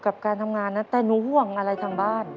กับการทำงานนะแต่หนูห่วงอะไรทางบ้าน